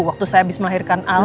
waktu saya habis melahirkan al